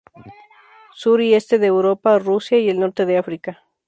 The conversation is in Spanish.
Sur y este de Europa, Rusia y el norte de África.